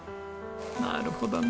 なるほどね。